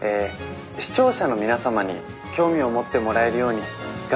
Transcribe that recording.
視聴者の皆様に興味を持ってもらえるように頑張ります」。